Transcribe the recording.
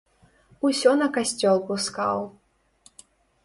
Усё на касцёл пускаў.